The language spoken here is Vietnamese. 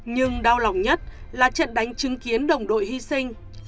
nhưng đau lòng nhất là trận đánh chứng kiến đồng đội hy sinh